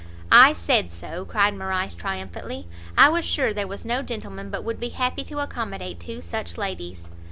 "I said so!" cried Morrice triumphantly, "I was sure there was no gentleman but would be happy to accommodate two such ladies!"